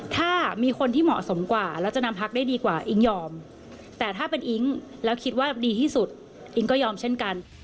ถ้ามีคนที่เหมาะสมกว่าแล้วจะนำพักได้ดีกว่าอิ๊งยอมแต่ถ้าเป็นอิ๊งแล้วคิดว่าดีที่สุดอิ๊งก็ยอมเช่นกัน